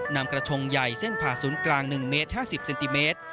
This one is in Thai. นำกระทงใหญ่เส้นผ่าศูนย์กลาง๑เมตร๕๐เซนติเมตร